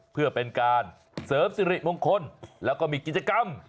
เพื่อเป็นการเสริมสิริมงคลแล้วก็มีกิจกรรม